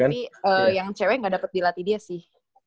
tapi yang cewek gak dapat dilatih dia sih